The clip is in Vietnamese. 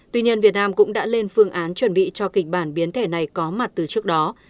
tuy nhiên việt nam cũng đã lên phương án chuẩn bị cho kịch bản biến thẻ này có mặt từ trước đó